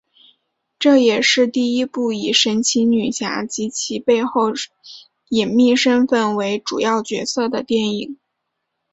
这也是第一部以神奇女侠及其背后隐秘身份为主要角色的电影。